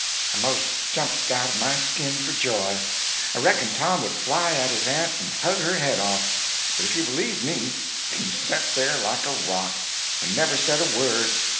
I 'most jumped out of my skin for joy. I reckoned Tom would fly at his aunt and hug her head off; but if you believe me he set there like a rock, and never said a word.